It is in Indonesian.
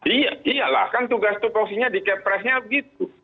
iya iyalah kan tugas tupoksinya di capresnya begitu